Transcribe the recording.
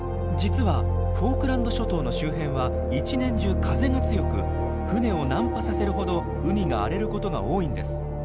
実はフォークランド諸島の周辺は一年中風が強く船を難破させるほど海が荒れることが多いんです。